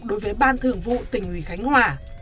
đối với ban thường vụ tỉnh ủy khánh hòa